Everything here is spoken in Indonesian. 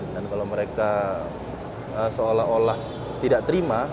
dan kalau mereka seolah olah tidak terima